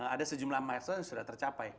ada sejumlah mile yang sudah tercapai